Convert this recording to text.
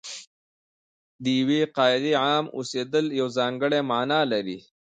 د یوې قاعدې عام اوسېدل یوه ځانګړې معنا لري.